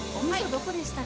どこでしたっけ？